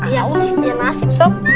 ya udah ini nasib sob